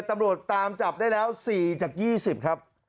ตำรวจตามจับได้แล้ว๔จาก๒๐ครับ